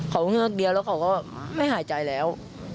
เขาเงือกเดียวแล้วเขาก็ไม่หายใจแล้ว